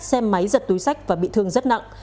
xe máy giật túi sách và bị thương rất nặng